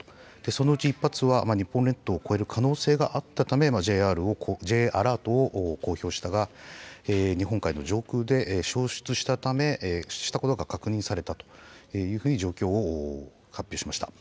そのうち１発は日本列島を越える可能性があったため、Ｊアラートを公表したが、日本海の上空で消失したため、したことが確認されたというふうに状況を発表しました。